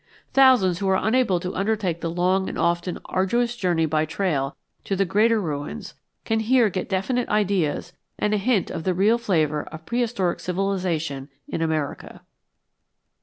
Thousands who are unable to undertake the long and often arduous journeys by trail to the greater ruins, can here get definite ideas and a hint of the real flavor of prehistoric civilization in America.